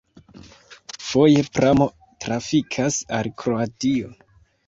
Foje pramo trafikas al Kroatio.